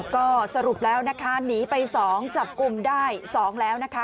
ก็สรุปแล้วนะคะหนีไป๒จับกลุ่มได้๒แล้วนะคะ